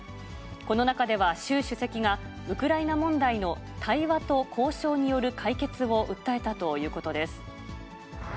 この中では、習主席がウクライナ問題の対話と交渉による解決を訴えたということです。